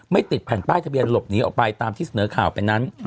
ติดแผ่นป้ายทะเบียนหลบหนีออกไปตามที่เสนอข่าวไปนั้น